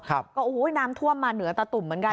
ก็โอ้โหน้ำท่วมมาเหนือตาตุ่มเหมือนกัน